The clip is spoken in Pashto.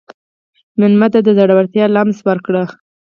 مېلمه ته د زړورتیا لمس ورکړه.